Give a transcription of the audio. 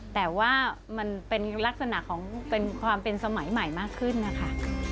แต่ว่ามันเป็นลักษณะของเป็นความเป็นสมัยใหม่มากขึ้นนะคะ